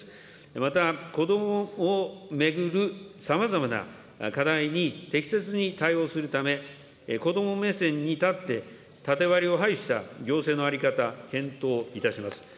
また、子どもを巡るさまざまな課題に適切に対応するため、子ども目線に立って、縦割りを廃した行政の在り方、検討いたします。